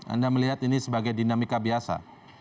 anda melihat ini sebagai dinamika biasa